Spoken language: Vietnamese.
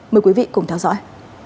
mời quý vị cùng theo dõi